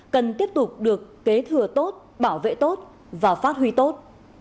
cần tiếp tục được kế thừa tốt bảo vệ tốt và phát huy tốt